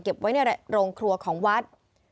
ไว้ในโรงครัวของวัด